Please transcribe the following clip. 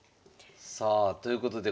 さあということで